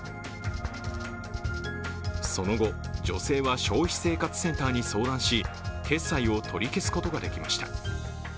その後、女性は消費生活センターに相談し、決済を取り消すことができました。